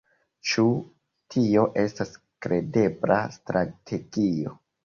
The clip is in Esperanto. Ĉu tio estas kredebla strategio?